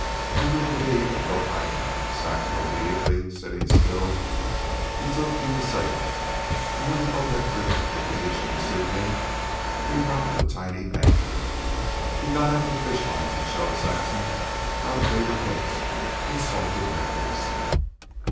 Under the lee of Goat Island, Saxon obediently sitting still, he took in the sail, and, when the boat had drifted to a position to suit him, he dropped a tiny anchor. He got out the fish lines and showed Saxon how to bait her hooks with salted minnows.